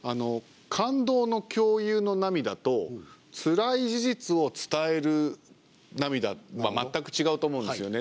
感動の共有の涙とつらい事実を伝える涙は全く違うと思うんですよね。